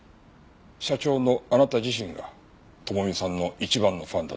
社長のあなた自身が智美さんの一番のファンだった。